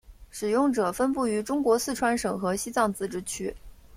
使用者分布于中国四川省和西藏自治区。